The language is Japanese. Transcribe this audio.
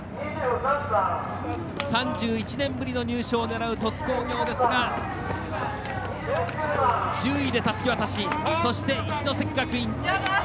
３１年ぶりの入賞を狙う鳥栖工業ですが１０位でたすき渡し。